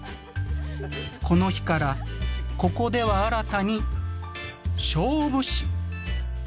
この日からここでは新たに「勝負師」と呼ばれている。